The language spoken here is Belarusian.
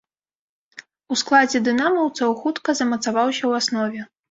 У складзе дынамаўцаў хутка замацаваўся ў аснове.